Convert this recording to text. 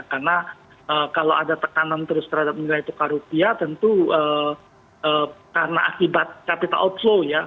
karena kalau ada tekanan terus terhadap nilai tukar rupiah tentu karena akibat capital outflow ya